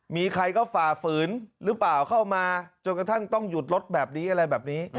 มีใครก็ฝ่าฝืนหรือเปล่าเข้ามาจนกระทั่งต้องหยุดรถแบบนี้อะไรแบบนี้